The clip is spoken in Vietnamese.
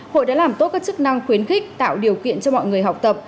hội đã làm tốt các chức năng khuyến khích tạo điều kiện cho mọi người học tập